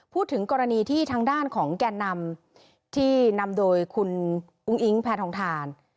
พูดถึงกรณีที่ทางด้านของแก่นำที่นำโดยคุณอุ้งอิงแพทองทาน